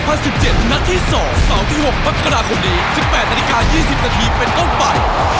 เมื่อเสาร์ที่๖พักกระดาษคนดี๑๘นาฬิกา๒๐นาทีเป็นต้องไป